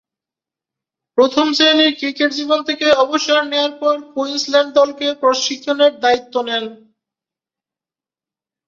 প্রথম-শ্রেণীর ক্রিকেট জীবন থেকে অবসর নেয়ার পর কুইন্সল্যান্ড দলকে প্রশিক্ষণের দায়িত্ব নেন।